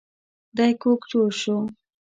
دی کوږ جوش شو.